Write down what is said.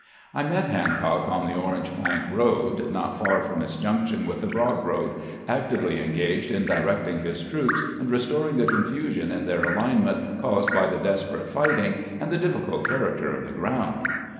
I met Hancock on the Orange plank road, not far from its junction with the Brock road, actively engaged in directing his troops, and restoring the confusion in their alinement caused by the desperate fighting and the difficult character of the ground.